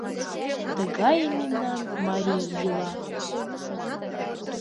Тыгае мемнан марий йӱла.